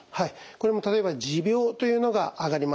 これも例えば持病というのが挙がります。